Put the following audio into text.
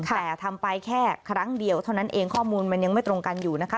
แต่ทำไปแค่ครั้งเดียวเท่านั้นเองข้อมูลมันยังไม่ตรงกันอยู่นะคะ